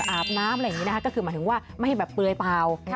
อาบน้ำอะไรอย่างนี้นะคะก็คือหมายถึงว่าไม่ให้แบบเปลือยเปล่า